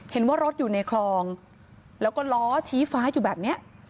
เห็นว่ารถอยู่ในคลองแล้วก็ล้อชี้ฟ้าอยู่แบบเนี้ย